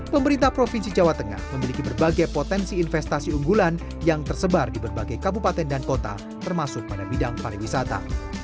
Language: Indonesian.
pemerintah provinsi jawa tengah memiliki berbagai potensi investasi unggulan yang tersebar di berbagai kabupaten dan kota termasuk pada bidang pariwisata